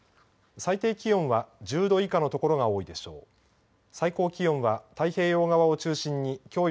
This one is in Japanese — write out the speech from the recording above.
最低気温は１０度以下の所が多いでしょう。